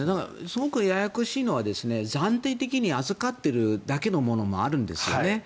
すごくややこしいのは暫定的に預かっているだけのものもあるんですよね。